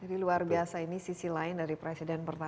jadi luar biasa ini sisi lain dari presiden pertama ini